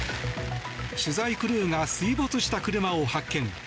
取材クルーが水没した車を発見。